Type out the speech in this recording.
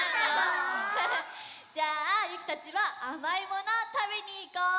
じゃあゆきたちはあまいものをたべにいこう！